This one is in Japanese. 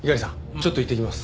ちょっと行ってきます。